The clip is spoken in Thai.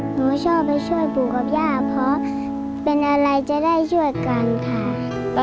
หนูชอบไปช่วยปู่กับย่าเพราะเป็นอะไรจะได้ช่วยกันค่ะ